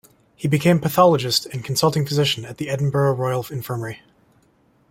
He became Pathologist and Consulting Physician at the Edinburgh Royal Infirmary.